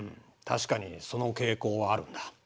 確かにその傾向はあるんだ。